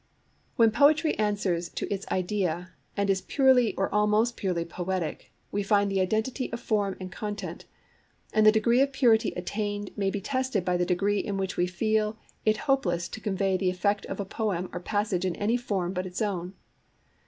IMPERFECT UNITY When poetry answers to its idea and is purely or almost purely poetic, we find the identity of form and content; and the degree of purity attained may be tested by the degree in which we feel it hopeless to convey the effect of a poem or passage in any form but its own.